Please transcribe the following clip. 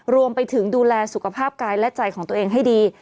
รวมไปถึงดูแลสุขภาพกายและใจของตัวเองให้ดี